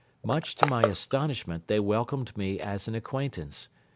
Much to my astonishment they welcomed me as an acquaintance.